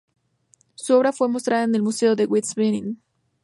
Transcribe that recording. Su obra fue mostrada en el Museo de Wiesbaden.